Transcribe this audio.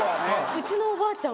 うちのおばあちゃん